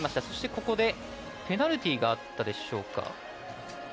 そして、ペナルティーがあったでしょうか。